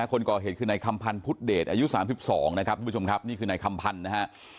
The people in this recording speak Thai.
คนก่อเหตุคือในคำพันธุ์พุทธเดชอายุ๓๒นะครับนี่คือในคำพันธุ์นะครับ